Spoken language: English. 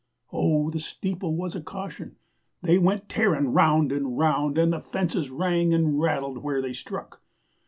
..... Oh, the steeple was a caution! They went tearin' round and round, And the fences rang and rattled where they struck.